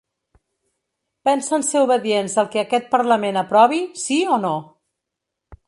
Pensen ser obedients al que aquest parlament aprovi, sí o no?